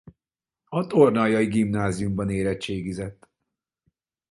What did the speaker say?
A tornaljai gimnáziumban érettségizett.